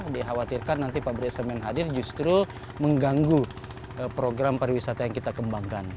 dikhawatirkan nanti pabrik semen hadir justru mengganggu program pariwisata yang kita kembangkan